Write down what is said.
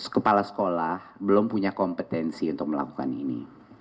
kepala sekolah belum punya kompetensi untuk melakukan ini